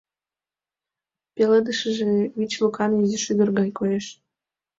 Пеледышыже вич лукан изи шӱдыр гай коеш.